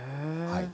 はい。